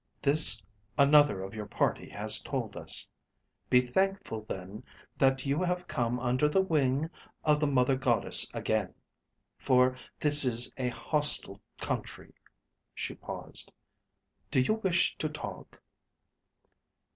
This another of your party has told us. Be thankful then that you have come under the wing of the Mother Goddess again, for this is a hostile country." She paused. "Do you wish to talk?"